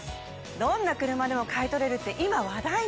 どんな車でも買い取れるって今話題の！